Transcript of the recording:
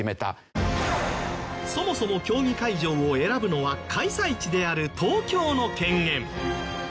そもそも競技会場を選ぶのは開催地である東京の権限。